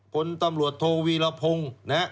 พตโทวีรพงศ์